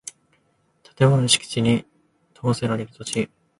建物の敷地に供せられる土地